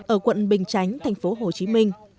ở quận bình chánh thành phố hồ chí minh